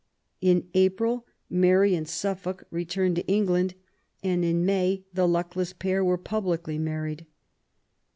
In April Mary and Suffolk returned to England, and in May the luckless pair were publicly married.